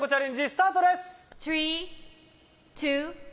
スタートです！